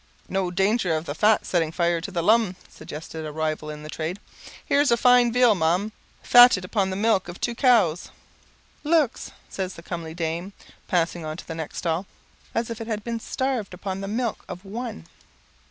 "No danger of the fat setting fire to the lum" suggests a rival in the trade. "Here's a fine veal, ma'am, fatted upon the milk of two cows." "Looks," says the comely dame, passing on to the next stall, "as if it had been starved upon the milk of one."